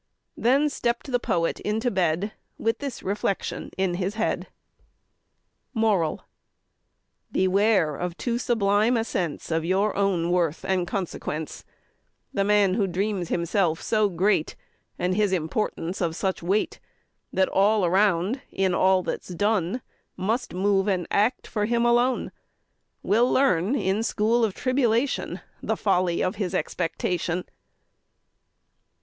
Then stepp'd the poet into bed With this reflection in his head: MORAL. Beware of too sublime a sense Of your own worth and consequence: The man who dreams himself so great, And his importance of such weight, That all around, in all that's done, Must move and act for him alone, Will learn in school of tribulation The folly of his expectation.